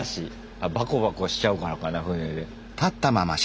あバコバコしちゃうからかな船で。